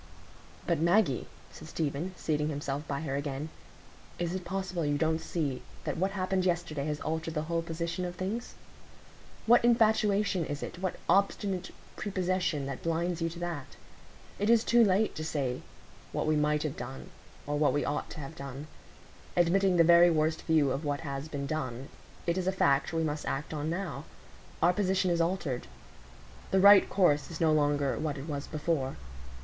"But, Maggie," said Stephen, seating himself by her again, "is it possible you don't see that what happened yesterday has altered the whole position of things? What infatuation is it, what obstinate prepossession, that blinds you to that? It is too late to say what we might have done or what we ought to have done. Admitting the very worst view of what has been done, it is a fact we must act on now; our position is altered; the right course is no longer what it was before.